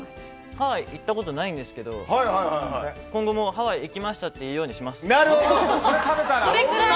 ハワイ行ったことないんですけど今後もう、ハワイ行きましたって言うようにします。